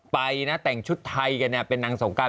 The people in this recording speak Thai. ไปนะแต่งชุดไทยกันเนี่ยเป็นนางสงการ